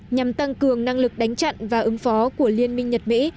nhằm tăng cường năng lực đánh chặn và ứng phó của liên minh nhật mỹ